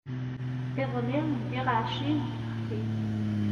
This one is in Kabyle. Iḍelli ndiɣ ɛecrin n tfextin.